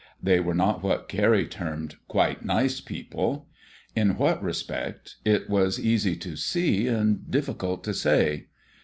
They were not what Carrie termed "quite nice people"; in what respect it was easy to see and difficult to say.